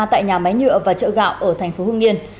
tại nhà máy nhựa và chợ gạo ở tp hưng yên